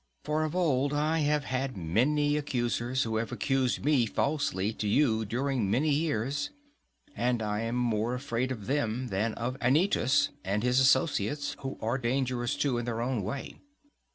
For of old I have had many accusers, who have accused me falsely to you during many years; and I am more afraid of them than of Anytus and his associates, who are dangerous, too, in their own way.